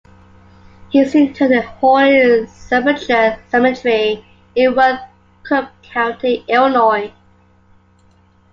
He is interred in Holy Sepulchre Cemetery in Worth, Cook County, Illinois.